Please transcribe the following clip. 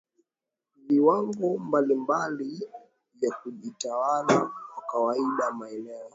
viwango mbalimbali vya kujitawala Kwa kawaida maeneo